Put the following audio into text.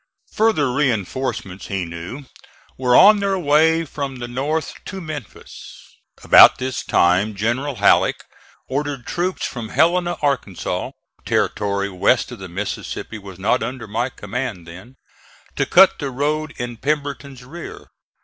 Further reinforcements he knew were on their way from the north to Memphis. About this time General Halleck ordered troops from Helena, Arkansas (territory west of the Mississippi was not under my command then) to cut the road in Pemberton's rear.